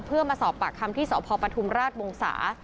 เพื่อมาสอบปากคำที่สพปทุมราชวงศา